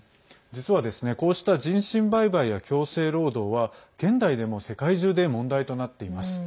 実はですね、こうした人身売買や強制労働は現代でも世界中で問題となっています。